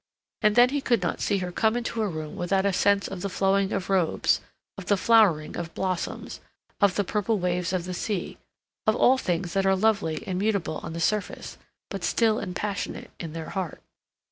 And then he could not see her come into a room without a sense of the flowing of robes, of the flowering of blossoms, of the purple waves of the sea, of all things that are lovely and mutable on the surface but still and passionate in their heart.